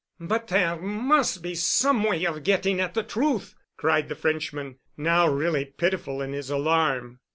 "But there must be some way of getting at the truth," cried the Frenchman, now really pitiful in his alarm.